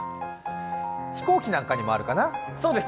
飛行機なんかにもあるかな。